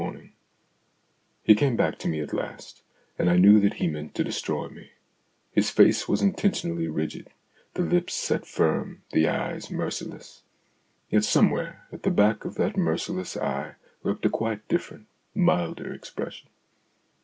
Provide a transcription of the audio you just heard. THE AUTOBIOGRAPHY OF AN IDEA 55 He came back to me at last, and I knew that he meant to destroy me. His face was intentionally rigid, the lip set firm, the eye merciless. Yet somewhere at the back of that merciless eye lurked a quite different, milder expression.